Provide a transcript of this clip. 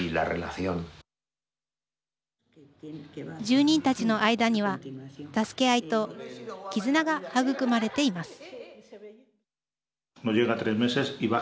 住人たちの間には助け合いと絆が育まれています。